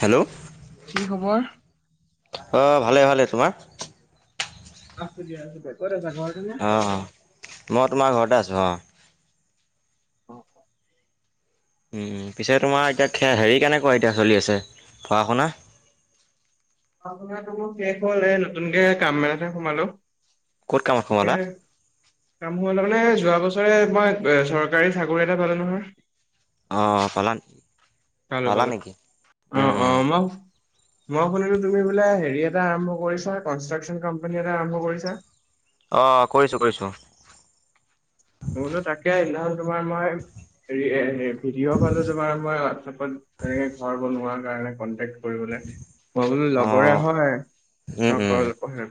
Hello. কি খবৰ। অ' ভালে-ভালে তোমাৰ। আছোঁ দিয়া, ক'ত আছা। ঘৰতে নে? অ'-অ' মই তোমাৰ ঘৰতে আছোঁ অ। অ'। উম, পিছে তোমাৰ এতিয়া হেৰি কেনেকুৱা এতিয়া চলি আছে পঢ়া শুনা। পঢ়া শুনাটো মোৰ শেষ হ'ল এই নতুনকে কাম এটাতহে সোমালো। ক'ত কামত [unintelligible] সোমালা কাম সোমালোঁ মানে যোৱা বছৰে মই চৰকাৰী চাকৰি এটা পালো নহয়। অ' পালান পালোঁ - পালোঁ, অ'-অ' মই মই শুনিলো তুমি বোলে হেৰি এটা আৰম্ভ কৰিছা কনষ্ট্ৰাকচন কম্পানী এটা আৰম্ভ কৰিছা। অ' কৰিছোঁ-কৰিছো। মই বুলো তাকে সেইদিনাখন তোমাৰ মই হেৰি এ ভিডিঅ' পালো তোমাৰ মই হোৱাটছএপত। তেনেকে ঘৰ বনোৱা। কাৰণে কণ্টেক্ট কৰিব, মই বোলো অঁ লগৰে উম উম হয়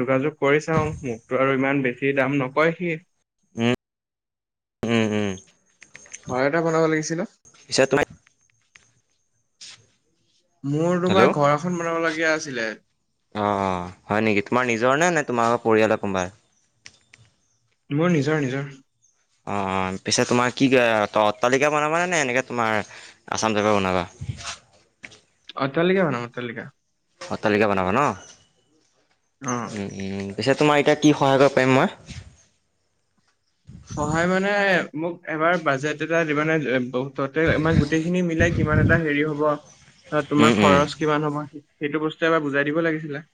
যোগাযোগ কৰি চাও মোকতো আৰু ইমান বেছি দাম নকয় সি। উম্ ঘৰ এটা বনাব লাগিছিল অ'। পিছে তোমাৰ মোৰ তোমাৰ ঘৰ এখন বনাবলগীয়া আছিলে। অ'-অ' হয় নেকি তোমাৰ নিজৰ নে-নে তোমালোকৰ পৰিয়ালৰ কোনবা। মোৰ নিজৰ- নিজৰ। অ'- অ' পিছে তোমাৰ কি ত অট্টালিকা বনাবানে নে এনেকে তোমাৰ আচাম টাইপৰ বনাবা। অট্টালিকা বনাম অট্টালিকা। অট্টালিকা বনাবা ন, অ উম্-উম্। পিছে তোমাৰ এতিয়া কি সহায় কৰিব পাৰিম মই। সহায় মানে মোক এবাৰ বাজেট এটা দিবানে বহু ততে আমাৰ গোটেই খিনি মিলাই কিমান এটা হেৰি হ'ব উম তোমাৰ উম খৰচ কিমান হ'ব সেইটো বস্তুৱে এবাৰ বুজাই দিব লাগিছিলে।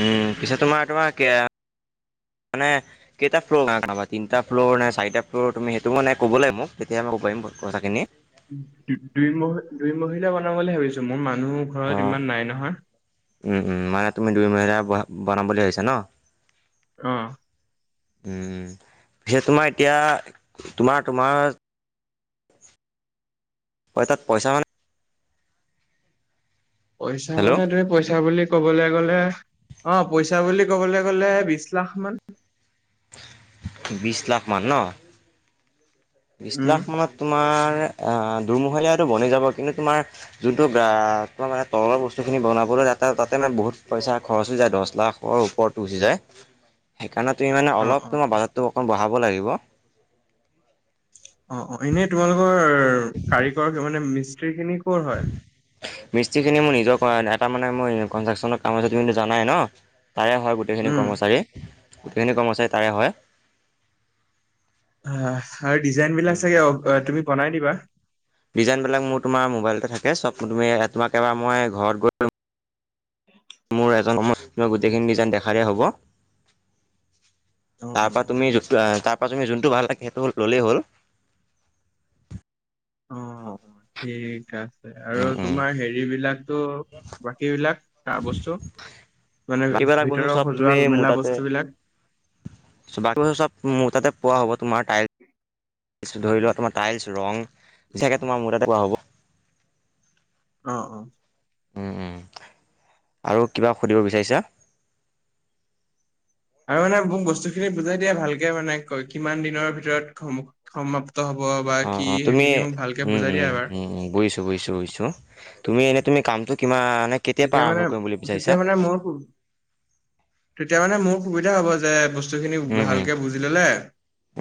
উম, পিছে তোমাৰ একেবাৰে কে মানে কেইটা ফ্ল'ৰ বনাবা, তিনিটা ফ্ল'ৰ নে চাৰিটা ফ্ল'ৰ তুমি সেইটো মানে ক'ব লাগিব মোক তেতিয়া ক'ব পাৰিম পইচাখিনি। দুই- দুই মহ মহলা বনাওঁ বুলি ভাবিছো, মোৰ মা অ' উম- উম মানে তুমি দুই মহিলা বনা বনাম বুলি ভাবিছা ন। অ'। উম, পিছে তোমাৰ এতিয়া তোমাৰ-তোমাৰ হয়ই তাত পইচা মানে পইচা হেল্ল' মানে তুমি পইচা বুলি- ক'বলৈ গ'লে অ পইচা বুলি ক'বলৈ গ'লে বিশ লাখ মান বিশছ লাখমান ন। বিশ উম লাখ মানত তোমাৰ দমহলীয়াটো বনি যাব কিন্তু তুমাৰ যোনটো তোমাৰ মানে তলৰ বস্তু খিনি বনাব তাতে মানে বহুত পইচা খৰচ হৈ যায় দহ লাখৰ ওপৰতো গুচি যায়। [inaudible] সেইকাৰণে তুমি মানে অ অ অলপ তোমাৰ বাজেট টো অকণমান বঢ়াব লাগিব। অ অ এনেই তোমালোকৰ কাৰিকৰ মানে মিস্ত্ৰী খিনি কৰ হয়। মিস্ত্ৰীখিনি মোৰ নিজৰ এটা মানে মোৰ কন্ৰাকচনৰ কাম তুম জানাই ন। তাৰে হয় গোটেইখিনি উম কৰ্মচাৰী গোটেইখিনি কৰ্মচাৰী তাৰে হয়। অ আৰু ডিজাইন বিলাক চাগে অ তুমি বনাই দিবা। ডিজাইনবিলাক মোৰ তোমাৰ মোবাইলতে থাকে চব তুমি তোমাকেবাৰ মই ঘৰত গৈ মোৰ এজন সময় মই গোটেইখিনি ডিজাইন দেখাই দিয়া হব। অ তাৰ অ পৰা তুমি ত তুমি যোনটো ভাল লাকে সেইটো হ'ল ল'লেই হ'ল। অ ঠিক আছে আৰু উম, উম। তোমাৰ হেৰি বিলাক ত' বাকী বিলাক বস্তু। মানে বাকীবিলাক বস্তু ভিতৰৰত চব সজোৱা মেলা বস্তুবিলাক ব চব মোৰ তাতে পোৱা হ'ব তোমাৰ টাইল চ ধৰি লোৱা তোমাৰ টাইলছ ৰং যেনোকৈ তোমাৰ মোৰ ততে কোৱা হ'ব। অ অ। আৰু কিবা সুধিব বিচাৰিছা? আৰু মানে মোক বস্তুখিনি বুজাই দিয়া ভালকে মানে কয় কিমান দিনৰ ভিতৰত হব বা অ কি অ তুমি সেইখিনি মোক ভালকে উম বুজাই দিয়া উম এবাৰ উম বুজিছো বুজিছো বুজিছো। তুমি এনেই তুমি কামটো কিমান? তেতিয়া মানে তেতিয়া মানে মোৰ তেতিয়া মানে মোৰ সুবিধা হ'ব যে বস্তু খিনি উম উম ভালকে বুজি ললে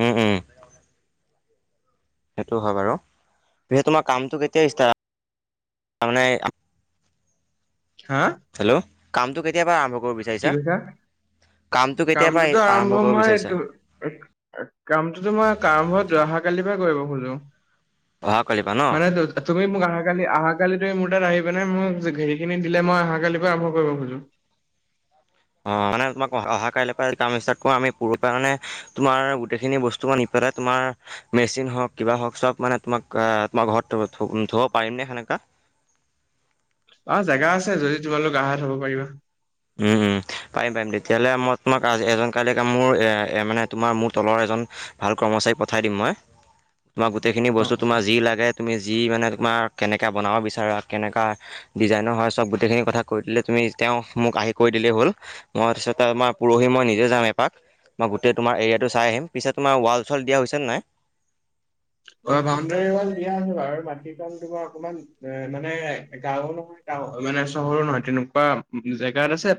উম উম সেইটো হয় বাৰু পিচে তোমাৰ কামটো কেতিয়া ষ্টাৰ তাৰ মানে হা হেল্ল' কামটো কেতিয়াবা আৰম্ভ কৰিব বিচাৰিছা? কি কৈছা কামটো কেতিয়াৰ পৰা কামটোতো আৰম্ভ কৰিব মই বিচাৰিছা এইটো কামটোতো মই আৰম্ভ অহাকালি কৰিব খোজো অহা কালিৰ পৰা ন মানে তুমি মোক অহাকালি অহা কালি এই মোৰ তাত আহি প নাই মোক হেৰিখিনি দিলে মই অহাকালিৰ পৰা আৰম্ভ কৰিব খোজো। অ মানে তোমাক অহা কাইলৰ কাম ষ্টাৰ্ট কৰো আমি প পৰা মানে তোমাৰ গোটেইখিনি বস্তু মান তোমাৰ মেচিন হওক কিবা হওক চব মানে তোমাক তোমাৰ ঘৰত ধুব পাৰিম নে সেনেকা। অ জেগা আছে যদি তোমালোক আহাত হব পাৰিবা। উম উম। পাৰি পাৰিম তেতিয়াহ'লে মই তোমাক এজন কালি ক মোৰ এ মানে তোমাৰ মোৰ তলৰ এজন ভাল কৰ্ম মচাৰী পঠাই দিম মই। [inaudible] তোম গোটেইখিনি বস্ত অ অ তোমাৰ যি লাগে তুমি যি মানে তোমাৰ কেনেকে বনাব বিচাৰা কেনেকুৱা ডিজাইনৰ হয় চব গোটেইখিনি কথা কৈ দিলে তুমি তেওঁ মোক আহি কৈ দিলেই হ'ল মই তিছত আমাৰ পৰহি মই নিজে যাম এপাক। মই গোটেই তোমাৰ এৰিয়াটো চাই আহিম পিচে তোমাৰ ৱাল চোৱাল দিয়া হৈছে নে নাই। অ বাউণ্ডাৰী ৱাল দিয়া আছে বাৰু মাটি কাল তোমাৰ অকমান এ মানে গাঁও নহয় মানে চহৰো নহয় তেনেকুৱা জেগাত আছে।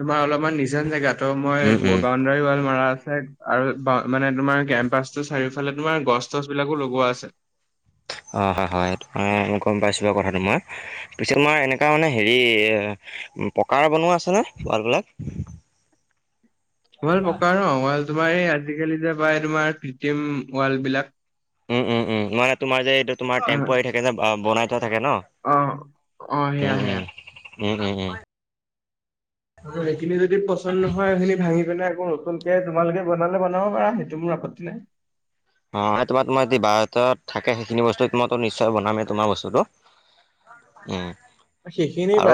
তোমাৰ অলপমান নিজন জেগা তো মই উম উম বাউণ্ডাৰী ৱাল মাৰা আৰু বা মানে তোমাৰ কেম্পাচ ৰ চাৰিওফালে তোমাৰ গছ তছ বিলাকো লগোৱা আছে অ হয় হয় মই গম পাইছো কথাটো মই পিছত মই এনেকুৱা মানে হেৰি পকাৰ বনোৱা আছেনে পোৱাল বলাক [unintelligible] [unintelligible] াল পকা ন ৱ তোমাৰ এই আজিকালি যে পায় তোমাৰ পিটিম ৱাল বিলাক উম উম উম মানে তোমাৰ যে এইটো তোমাৰ টেম্প থাকে যে বনাই থাকে ন অ অ উম সেয়া সেয়া উম উম উম উম আৰু সেইখিনি যদি পচন্দ নহয় সেইখিনি ভাঙি পিনে নতুনকে তোমালোকে বনালে বনাব পাৰা সেইটো মোৰ আপত্তি নাই অ তোমাৰ তোমাৰ যদি বাহৰত থাকে সেইখিনি বস্তু তোমো নিশ্চয় বনামেই তোমাৰ বস্তুটো উম সেইখিনি আৰু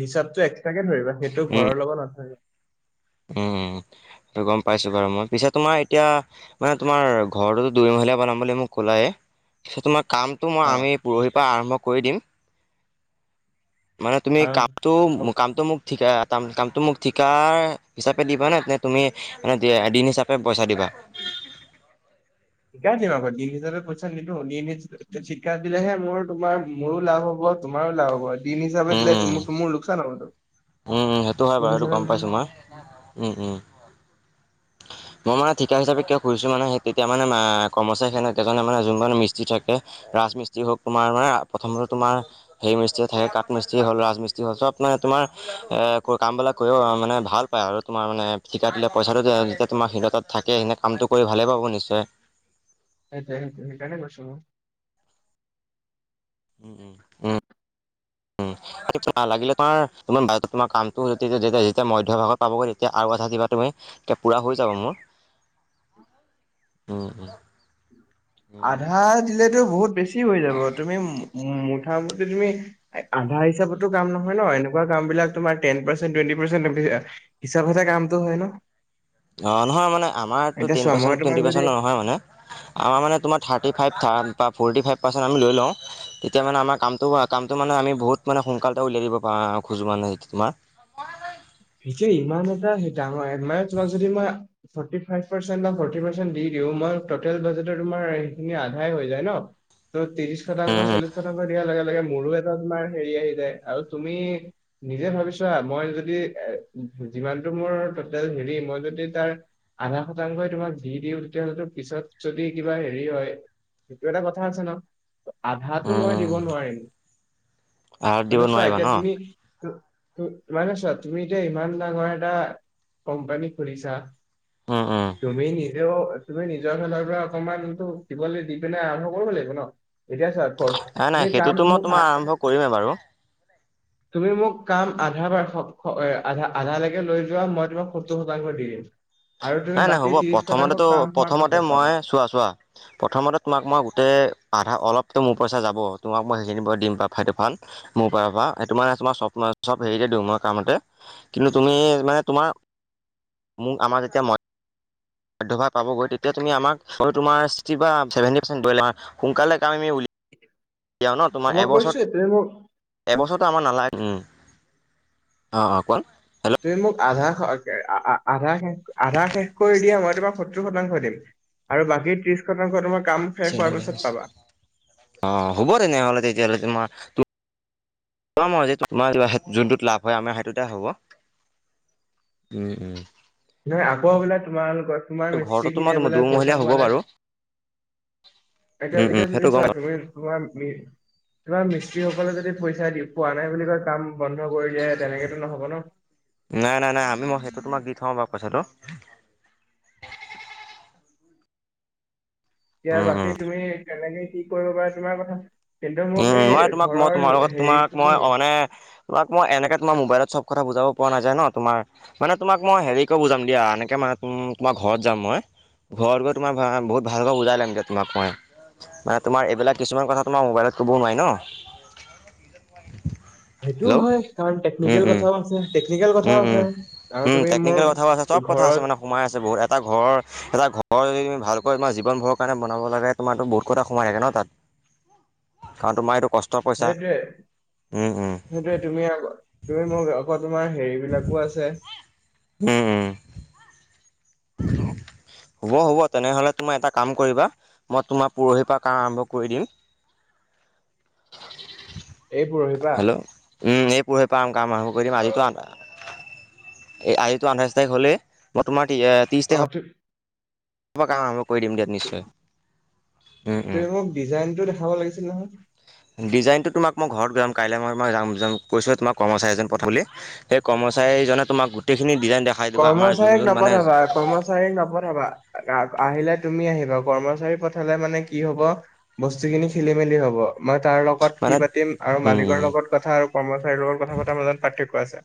হিচাপটো এক্সট্ৰাকে ধৰিবা সেইটো উম, ঘৰৰ লগত নধৰিব উম গম পাইছো বাৰু মই পিছে তোমাৰ এতিয়া মানে তোমাৰ ঘৰটোোতো দুৰি ম ঘলীয়া বনাব মোক ক'লায়ে তিছ তোমাক কামটো মই অ আমি পৰহিৰ পৰা আৰম্ভ কৰি দিম মানে তুমি আৰু কামটো হ- কামটো মোক ঠিকা কামটো মোক ঠিকা হিচাপে দিবা নে নে তুমি মানে দিন হিচাপে পইচা দিবা শিকাই দিম আকৌ দিন হিচাপে পইচা নিদিো দিনিাপ শিকাই দিলেহে মোৰ তোমাৰ মোৰো লাভ হ'ব অ তমাৰওা হব দিন হিচাপে দিলে ত মোৰ লোকচান হ'লতো উমম সেইটো হয় বাৰু সেইটো গম পাইছো মই উম উম [unintelligible] মই মানে ঠিকা হিচাপে কিয়ুজছো মানেেই তেতিয়া মানে কৰ্মচাৰী সেনক এজনে মানে যোন ম মস্ত্ৰী থাকে ৰাজমিস্ত্ৰী হওক তোমাৰ মান প্ৰথমোমাৰ হেৰি মি্ত্ৰীয়ে থাকে কঠমিস্ত্ৰী হ'ল ৰাজমিস্ৰী হ'ল চব আপোনে তোমাৰ এ কামবিলাক কৰিও মানে ভাল পায় আৰু তোমাৰ মানে ঠিকা দিলে পইচাটো যেতিয়া তোমাৰ হিৰতাত থাকে সেনে কামটো কৰি ভালেই পাব নিশ্চয় সেইট স সেইকাৰনেে কৈছো উম উম উম উম লাগিলে তোমাৰ তোাৰ ব তোমাৰ কামটো যেতিয়া মধ্য় ভাগত পাবগৈ তেতিয়া আৰু কথা কিবা তুমি এতিয়া পূৰা হৈ যাব মোৰ [unintelligible] উম উম উম আধা দিলেতো বহুত বেছি হৈ যাব তুমি মুঠামি তুমি আধা হিচাপতো কাম নহয় ন এনেকা কাম বিলাক তোমাৰ টেন পাৰ্চ হিচাপ কচ কামটো হয় ন অ নহয় মানে আমাৰো এতিয়া টেন চোৱা মই তোমাক পাৰ্চুৱেটি যদি পাৰ্চন্ ন নহয় মানে আমাৰ মানোৰাৰভ ফ লৈ লওঁ তেতিয়া মানে আমাৰ কাম কামটো মানে আমি বহুত মানে সোনকাল উলিয় দিবা খোজো মানে োম [unintelligible] ই এ মই টেল বাজেট তোমাৰ সেইখিনি আধাই হৈ যায় ন ত তিিশটা চলিশটা দিয়া লাগ লাগে মোৰো এটা তোমাৰ হেৰি আহি যায় আৰু তুমি নিজে ভাবিছা মই যদি এ যিমানতটো মোৰ টেল হেৰি মই যদি তাৰ আধা শতাংশই তোমাক যি দিওঁ তেতিয়াহ'লেতো পিছত যদি কিবা হেৰি হয় সেইটো এটা কথা আছে ন আধাো মই দিব নোৱাৰিম আৰত দিব মানছ নোৱাৰিবা আহকিয় ন তমি [unintelligible] [unintelligible] মানে চ তুমি যে ইমান ডাঙৰ এটা কোম্পানী খুলিছা উম উম তমি ন এ তুমি নিজৰ ফালৰ পৰা অকমানটো দিবলে দি পিনে আৰম্ভ কৰিব লাগিব ন এতিয়া চা কত নাই নাই মো কাম সেইটোতো মই মো আ তোমাৰ আৰম্ভ কৰিমেই বাৰু তুমি মোক কাম আধা বাৰ্ষক ক এ আধা আধালৈকে লৈ যোৱা মই তোমাক সত্তৰ শতাংশ দি দিম আৰু তুমি নাই নাই বাকী হ'ব ত্ৰিশ শতাংশ প্ৰথমতেতো কাম হোৱাৰ প্ৰথমতে পাছত মই পাবা চোৱা চোৱা প্ৰথমতে তোমাক মই গোটেই আধা অলপ ত মোৰ পইচা যাব তোমাক মই সেইখিনি পা দিম ফাইট এফান মোৰ পা পাআ এই তোমাৰ তোমাৰ চব চব হেৰি দিওঁ মই কামতে কিন্তু তুমি মানে তোমাৰ মোক আমাৰ যেতিয়াই মাত মাধ্যবা পাবগৈ তেতিয়া তুমি আমাক অ তোমাৰ ছিক্সটি বা ছেভেণ্টি পাৰ্চেণ্ট বইলা সোনকালে কাম আমি উলিয়ওঁ দিয়া ন তোমাৰ মই কৈছোৱে এবছৰত তুমি মোক এবছ ত আমাৰ নালাগে উম অ অ কোন তুমি মোক আধা অকে আ আ আধা শেষ আধা শেষ কৰি দিয়া মই তোমাৰ সত্তৰ শতাংশ দিম আৰু বাকী ত্ৰিশ শতাংশ তোমাক [unintelligible] অ হ'ব তেনেহ'লে তেতিয়াহলে তোমাৰ পাম আও তোমাৰ যোনটোত লাভ হয় আমাৰ সেইটোতে হ'ব উম-উম হয় আকৌ বোলে তোমালোকৰ তোমাৰ ঘৰতো মিস্ত্ৰী তোমাৰ খিনিয়ে বোলে দুমহলীয়া পইচা হ'ব পোৱা বাৰু নাই এতিয়া উম উম এতিয়া যদি সেইটো গম চোৱা তুমি তোমাৰ মি তোমাৰ মিস্ত্ৰী সকলে যদি পইচা দি পোৱা নাই বুলি কয় কাম বন্ধ কৰি দিয়ে তেনেকেতো নহব ন নাই নাই নাই আমি মই সেইটো তোমাক দি থম বাও পইছাটো এতিয়া উম উম বাকী তুমি কেনেকে কি কৰিব পাৰা তোমাৰ কথা কিন্তু উ মোক এই মই তোমাক মই ঘৰৰ তোমাৰ লগত হেৰি তোমাক মই খিনি মানে তোমাক মই এনেকে তোমাৰ মোবাইলত চব কথা বুজাব পৰা নাযায় ন তোমাৰ মানে তোমাক মই হেৰি কৰি বুজাম দিয়া এনেকে মানে তোমাৰ ঘৰত যাম মই ঘৰত গৈ তোমাৰ বহুত ভালকৈ বুজাই লমগে তোমাক মই মানে তোমাৰ এইবিলাক কিছুমান কথা তোমাৰ মোবাইলত ক'বও নোৱাৰি ন সেইটোও হয় কাৰণ টেকনিকেল কথাও আছে টেকনিকেল কথাও উম-উম আছে আৰু উম তুমি মোৰ টেকনিকেল কথাও আছে চব কথা আছে ঘৰত মানে সোমাই আছে বহুত এটা ঘৰৰ এটা ঘৰ ঘৰ যদি তুমি ভালকৈ তোমাৰ জীৱন ভৰ কাৰণে বনাব লাগে তোমাৰো বহুত কথা সোমাই থাকে ন তাত কাৰণ তোমাৰ এইটো কষ্ট পইচা সেইটোৱে উম উম সেইটোৱে তুমি আক তুমি মোক আকৌ তোমাৰ সেৰিবিলাকো আছে উম-উম [unintelligible] হ'ব হ'ব তেনেহলে তোমাৰ এটা কাম কৰিবা মই তোমাৰ পৰহিৰ পৰা কাম আৰম্ভ কৰি দিম [inaudible] এই পৰহি পা হেল্ল' উম এই পোৰহি পা কাম আৰম্ভ কৰি দিম আজিতো আট এই আজিটো আঠাইছ্ তাৰিখ হ'লেই মই তোমাৰ অ আঠি ব কা উম উম তুমি মোক ডিজাইনটো দেখাব লাগিছিল নহয় ডিজাইনটো তোমাক মই ঘৰত যাম কাইলৈ মই মই যাম যাম কৈছিলোৱে তোমাক কৰ্মচাৰী এজন পঠা বুলি সেই কৰ্মচাৰী এইজনে তোমাক গোটেইখিনি ডিজাইন দেখাই দিব আমাৰ যোন কৰ্মচাৰীক যোন মানে নপঠাবা কৰ্মচাৰীক নপঠাবা আহিলে তুমি আহিবা কৰ্মচাৰী পঠালে মানে কি হব বস্তু খিনি খেলি মেলি হব মই তাৰ লগত মানে কি পাতিম আৰু উম মালিকৰ উম লগত কথা আৰু কৰ্মচাৰীৰ লগত কথা পাতা বেলেগ পাৰ্থক্য আছে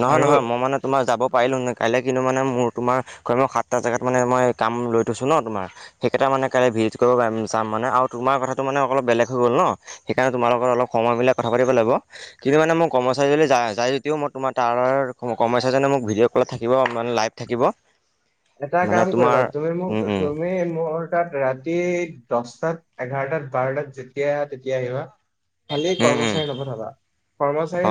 নহয় আৰু নহয় মই মানে তোমাৰ যাব পাৰিলোহেন কাইলে কিন্তু মানে মোৰ তোমাৰ ক্ৰমে সাতটা জাগাত মানে মই কাম লৈ থৈছো ন তোমাৰ সেইকেই হেটুকাণে কাই বিউতিকৰৰ কাম যাম মানে আৰু তোমাৰ কথাটো মান অলপ বেলেগ হৈ গল ন সেইকাৰণে তোমাৰ লগত অলপ সময় বিলাক কথা পাতি লাগিব কিন্তু মানে মোৰ কৰ্মচাৰী যদি যায় যায় যদিও ম তোমাৰ তাৰ কৰ্মচাৰী জনে মোক ভিডিঅ' কলত থাকিব মানে লাইভ থাকিব এটা মানে কাম তোমাৰ কৰিবা তুমি মোক উম উম তুমি মোৰ তাত ৰাতি গোট দহটাত এঘাৰটাত বাৰটাত যেতিয়া আহ তেতিয়া আহিবা খালি কৰ্মচাৰী নপঠাবা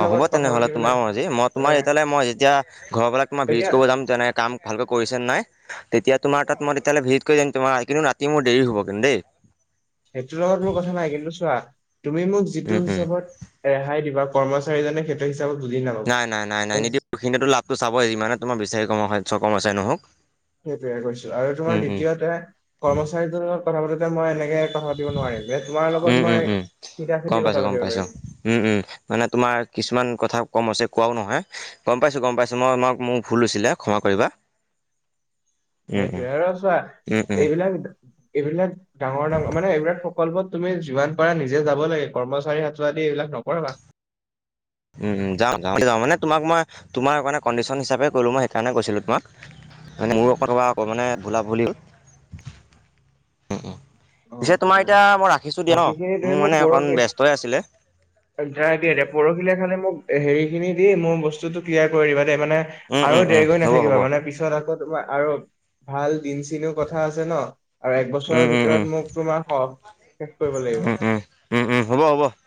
অ হ'ব লগত কথা তেনেহ'লে পাতিবলৈ তোমাৰজি মই মানে তোমাৰ এতিয়ালৈ মই যেতিয়া ঘৰৰাক তোমাৰ ভিট এতিয়া কৰিব যাম তেনে কাম ভাল কৰি নাই তেতিয়া তোমাৰ তাত মই তেতিয়লে ভিজিট কৰি দি তোমাৰ কিন্তু ৰাতি মোৰ দেৰি হ'ব কিন্তু দেই সেইটোৰ লগত মোৰ কথা নাই কিন্তু চোৱা তুমি মোক যিটো উম, উম, হিচাপত ৰেহাই দিবা কৰ্মচাৰীজনে সেইটো হিচাপত বুজি নাপাব নাই নাই নাই নাই আৰু নিদিওখিনিতো লাভটোো চাবই ইমানে তোমাৰ বিচাৰি ক কমচছে নহওক স কৰিো আৰু তোমাৰ উম, উম, দ্বিতীয়তে কৰ্মচাৰীটো কথা পাতোতে মই এনেকে কথা পাতিব নোৱাৰিম যে তোমাৰ উম লগত উম মই উম চিধা গম চিধি পাইছো কথা গম পাতিব পাইছো পাৰিম উম উম মানে তোমাৰ কিছুমান কথা কম আছে কোৱাও নহয় গম পাইছোঁ গম পাইছোঁ মই আোমাক মোক ভুল লৈছিলে ক্ষমা কৰিবা উম, উম, সেইটোয়ে আৰু আছোৱা উম, উম, এইবিলাক এইবিলাক ডাঙৰ ডাঙৰ মানে এইবিলাক প্ৰকল্পত তুমি যিমান পাৰা নিজে যাব লাগে কৰ্মচাৰী হাতোদি এইবিলাক নকবা উ যাওঁা যাওঁ মানে তোমাক মই তোমাৰ কাৰণে কণ্ডিশ্যন হিচাপে ক'লো মই সেইকাৰণে গৈছিলো তোমাক মানে মোৰ কৌ মানে বূলা ভুলিও [inaudible] [inaudible] পিছে তোমাৰ অ এতিয়া মই ৰাখিছো দিয়া ন বাকীখিনি মোৰ মানে অকণ ব্যস্তই আছিলে য দয়া পৰহিলীয়া খানে মোক হেৰি খিনি দি মই বস্তুতটো ক্লিয়াৰ কৰি দিবা মানে উম, উম, আৰু উম, দেৰি কৰিৈ হ'ব, হ'ব, নাথাকিবা মানে পিছত আকৌ তোমাৰ আৰু ভাল চ কথা আছে ন আৰু এক বছৰৰ উম, উম, ভিতৰত উম, ভিতৰত মোক তোমাৰ স শেষ কৰিব লাগিব উম, উম, উম, উম, হ'ব, হ'ব।